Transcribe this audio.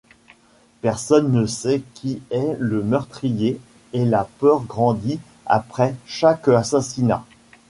Personne ne sait qui est le meurtrier et la peur grandit après chaque assassinat.